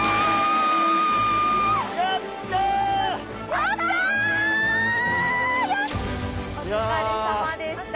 お疲れさまでした。